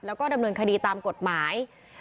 แล้วก็ดำเนินคดีตามกฎหมาย